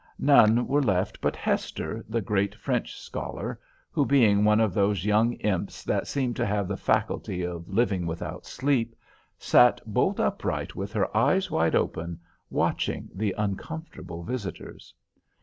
None were left but Hester, the great French scholar, who, being one of those young imps that seem to have the faculty of living without sleep, sat bolt upright with her eyes wide open, watching the uncomfortable visitors.